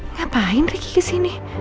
ngapain ricky kesini